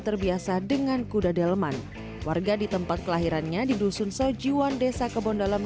terbiasa dengan kuda delman warga di tempat kelahirannya di dusun sajiwan desa kebondalam